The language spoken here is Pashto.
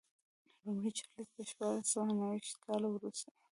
لومړی چارلېز په شپاړس سوه نهویشت کال وروسته.